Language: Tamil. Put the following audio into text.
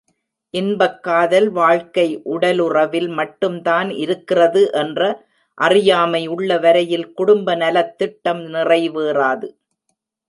இன்பக் காதல் வாழ்க்கை உடலுறவில் மட்டும்தான் இருக்கிறது என்ற அறியாமை உள்ள வரையில், குடும்ப நலத்திட்டம் நிறைவேறாது.